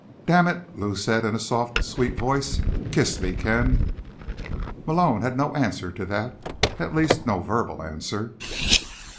"Damn it," Lou said in a soft, sweet voice, "kiss me, Ken." Malone had no answer to that—at least, no verbal answer.